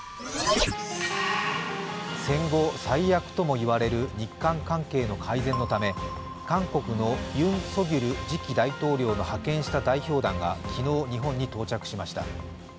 戦後最悪ともいわれる日韓関係の改善のため韓国のユン・ソギョル次期大統領の派遣した代表団が昨日、日本に到着しました。